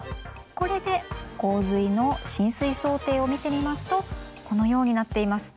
これで洪水の浸水想定を見てみますとこのようになっています。